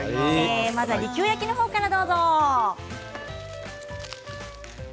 まずは利久焼きの方からどうぞ。